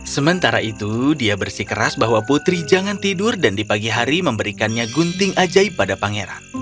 sementara itu dia bersikeras bahwa putri jangan tidur dan di pagi hari memberikannya gunting ajaib pada pangeran